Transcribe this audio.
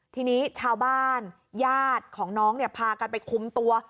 ทีนี้ชาวบ้านญาติของน้องเนี่ยพากันไปคุมตัว